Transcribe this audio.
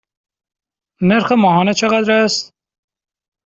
نرخ ماهانه چقدر است؟